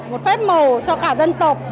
một phép màu cho cả dân tộc